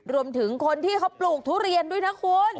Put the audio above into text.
รวมถึงคนที่เขาปลูกทุเรียนด้วยนะคุณ